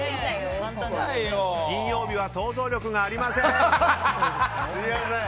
金曜日は想像力がありません。